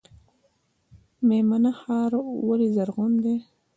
میمنه ښار ولې زرغون دی؟